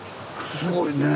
すごいねえ。